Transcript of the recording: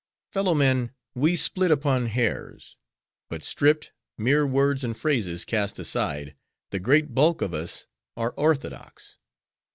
"'Fellow men; we split upon hairs; but stripped, mere words and phrases cast aside, the great bulk of us are orthodox.